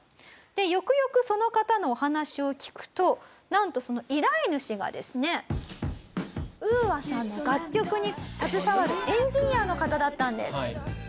でよくよくその方のお話を聞くとなんとその依頼主がですねＵＡさんの楽曲に携わるエンジニアの方だったんです。